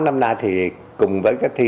năm nay thì cùng với cái thi